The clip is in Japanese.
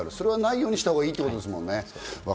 それはないようにしたほうがいいってことですもんね。